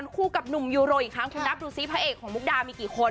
เล่นละครกู้กับหนุ่มยูโรออีกครั้งดูสิพระเอกของมุกดามิกี่คน